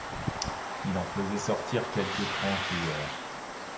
Il en faisait sortir quelque étrange lueur !